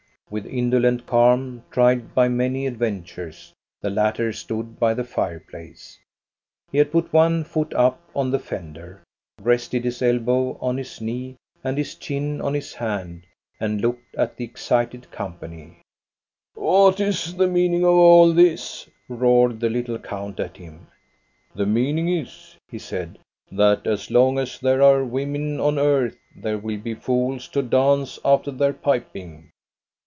With indo lent calm, tried by many adventures, the latter stood by the fireplace. He had put one foot up on the 192 THE STORY OF GOSTA BE RUNG fender, rested his elbow on his knee, and his chin on his hand, and looked at the excited company. " What is the meaning of all this? " roared the lit tle count at him. " The meaning is," he said, " that as long as there are women on earth, there will be fools to dance after their piping."